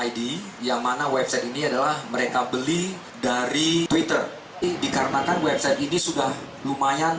id yang mana website ini adalah mereka beli dari twitter dikarenakan website ini sudah lumayan